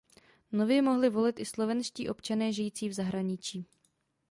Nově mohli volit i slovenští občané žijící v zahraničí.